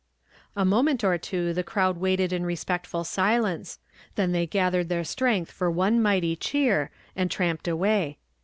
A moment or two the crowd waited in respect ful silence, then they gathered their strength for one mighty cheer, and tramped away.